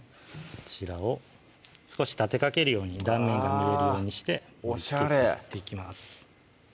こちらを少し立てかけるように断面が見えるようにしておしゃれ盛りつけていきます